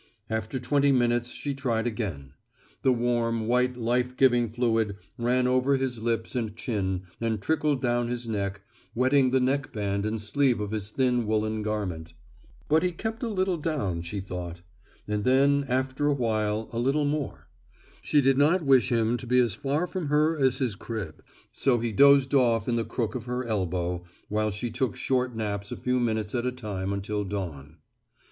After twenty minutes she tried again. The warm, white life giving fluid ran over his lips and chin, and trickled down his neck, wetting the neckband and sleeve of his thin woolen garment. But he kept a little down she thought. And then after awhile a little more. She did not wish him to be as far from her as his crib, so he dozed off in the crook of her elbow, while she took short naps a few minutes at a time until dawn.